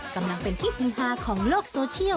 กำลังเป็นที่ฮือฮาของโลกโซเชียล